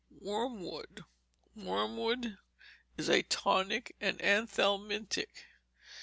Wormwood Wormwood is a tonic and anthelmintic.